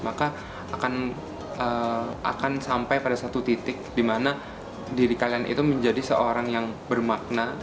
maka akan sampai pada satu titik di mana diri kalian itu menjadi seorang yang bermakna